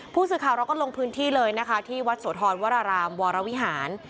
ผู้สื่อข่าวเราก็ลงพื้นที่เลยนะคะที่วัดโสธรวรรารามวรวิหาร